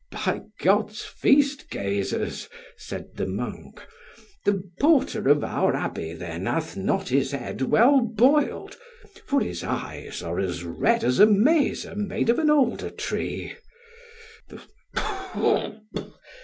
By God's feast gazers, said the monk, the porter of our abbey then hath not his head well boiled, for his eyes are as red as a mazer made of an alder tree.